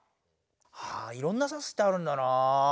ああいろんな「さす」ってあるんだなぁ。